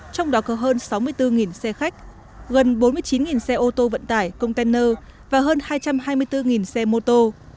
trong đó có hơn sáu mươi bốn xe khách gần bốn mươi chín xe ô tô vận tải container và hơn hai trăm hai mươi bốn xe mô tô